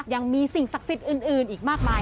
ยังมีสิ่งศักดิ์สิทธิ์อื่นอีกมากมาย